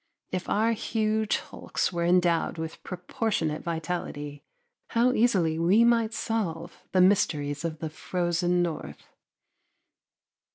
If our huge hulks were endowed with proportionate vitality, how easily we might solve the mysteries of the frozen north!